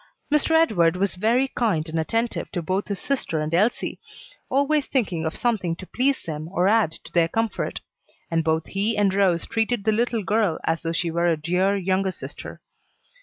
Mr. Edward was very kind and attentive to both his sister and Elsie, always thinking of something to please them or add to their comfort; and both he and Rose treated the little girl as though she were a dear, younger sister.